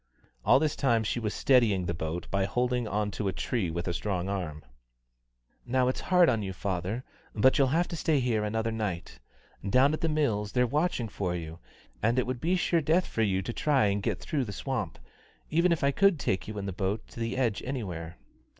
All this time she was steadying the boat by holding on to a tree with a strong arm. "Now it's hard on you, father, but you'll have to stay here another night. Down at The Mills they're watching for you, and it would be sure death for you to try and get through the swamp, even if I could take you in the boat to the edge anywhere."